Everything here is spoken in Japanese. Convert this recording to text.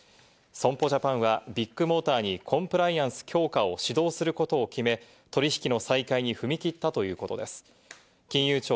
損保ジャパンはビッグモーターにコンプライアンス強化を指導することを決め、取引の再開に踏み切ったということです。